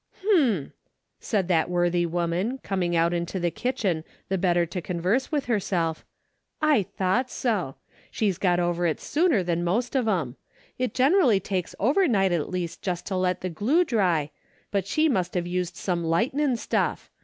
" H'm 1 " said that worthy woman coming out into the kitchen the better to converse DAILY EATEA^ 297 with herself, " I thought so ! She's got over it sooner than most of 'em. It generally takes over night at least just to let the glue dry, but she must have used some lightnin' stuff.